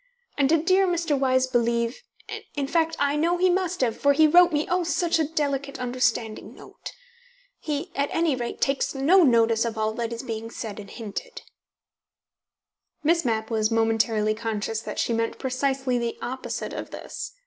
And did dear Mr. Wyse believe in fact, I know he must have, for he wrote me, oh, such a delicate, understanding note. He, at any rate, takes no notice of all that is being said and hinted." Miss Mapp was momentarily conscious that she meant precisely the opposite of this.